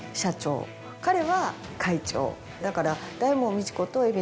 だから。